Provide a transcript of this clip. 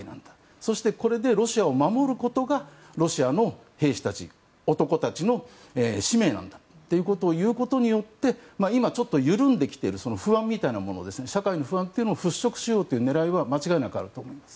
そしてこれでロシアを守ることがロシアの兵士たち、男たちの使命なんだと言うことで今、ちょっと緩んできている不安みたいなもの社会の不安というのを払しょくしようという狙いは間違いなくあると思います。